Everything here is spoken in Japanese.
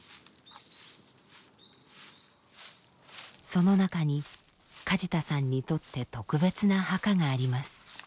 その中に梶田さんにとって特別な墓があります。